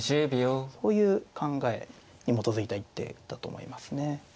そういう考えに基づいた一手だと思いますね。